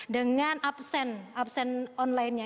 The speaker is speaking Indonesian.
dengan absen absen online nya